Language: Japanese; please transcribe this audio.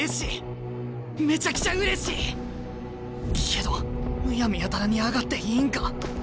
けどむやみやたらに上がっていいんか？